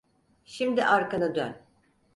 Şimdi arkanı dön.